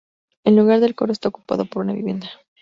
En lugar del coro está ocupado por una vivienda.